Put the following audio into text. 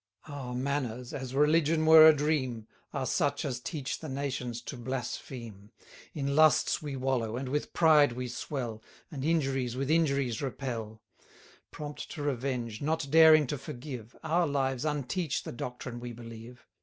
Our manners, as religion were a dream, 280 Are such as teach the nations to blaspheme. In lusts we wallow, and with pride we swell, And injuries with injuries repel; Prompt to revenge, not daring to forgive, Our lives unteach the doctrine we believe.